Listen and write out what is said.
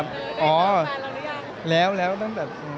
คุณแม่คุณแม่แล้วได้เจอแม่เราหรือยัง